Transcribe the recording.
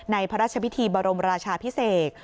พระราชพิธีบรมราชาพิเศษ